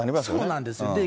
そうなんですよ。